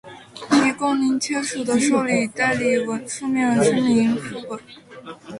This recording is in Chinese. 提供您签署的授权代理书面声明副本；